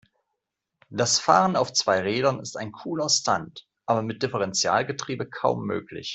Das Fahren auf zwei Rädern ist ein cooler Stunt, aber mit Differentialgetriebe kaum möglich.